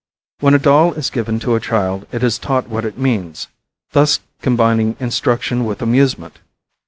When a doll is given to a child it is taught what it means, thus combining instruction with amusement.